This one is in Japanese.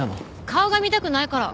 顔が見たくないから。